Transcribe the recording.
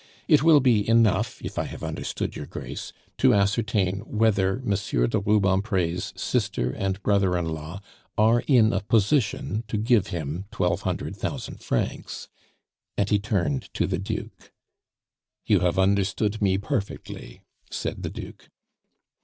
It will be enough if I have understood your Grace to ascertain whether Monsieur de Rubempre's sister and brother in law are in a position to give him twelve hundred thousand francs?" and he turned to the Duke. "You have understood me perfectly," said the Duke.